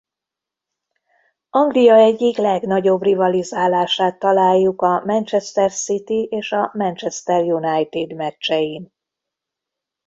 Anglia egyik legnagyobb rivalizálását találjuk a Manchester City és a Manchester United meccsein.